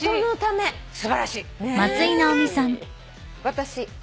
私。